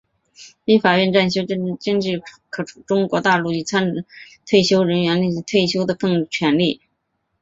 立法院将修法规范停止未经许可赴中国大陆参与政治活动之退职人员领取退休俸的权利。